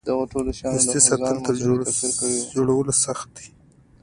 د دوستۍ ساتل تر جوړولو سخت دي.